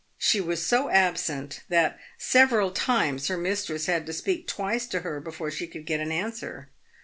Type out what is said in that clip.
She was so absent that several times her mistress had to speak twice to her before she could get an answer.